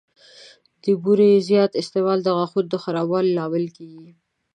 د بوري زیات استعمال د غاښونو د خرابوالي لامل کېږي.